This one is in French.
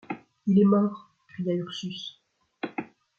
Il est mort ! cria Ursus.